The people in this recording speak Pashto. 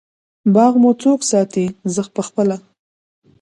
باغ مو څوک ساتی؟ زه پخپله